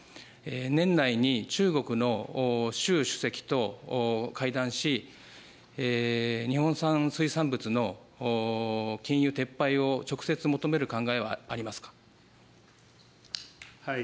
年内に中国の習主席と会談し、日本産水産物の禁輸撤廃を直接求める考えはありますか。